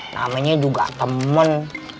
namanya juga temen